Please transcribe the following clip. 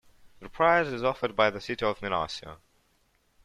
The Prize is offered by the city of Minusio.